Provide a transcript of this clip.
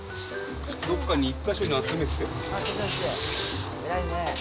どこかに一か所に集めてよ。